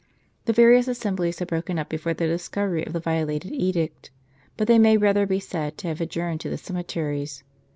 The various assemblies had broken up before the discov ery of the violated edict. But they may rather be said to have adjourned to the cemeteries.